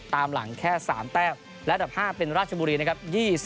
ตามหลังแค่๓แต้มและอันดับ๕เป็นราชบุรีนะครับ